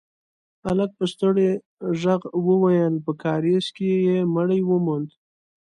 هلک په ستړي غږ وويل: په کارېز کې يې مړی وموند.